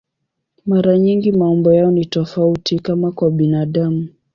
Mara nyingi maumbo yao ni tofauti, kama kwa binadamu.